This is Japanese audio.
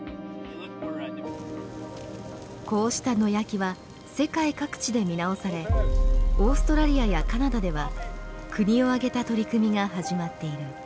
こうした野焼きは世界各地で見直されオーストラリアやカナダでは国を挙げた取り組みが始まっている。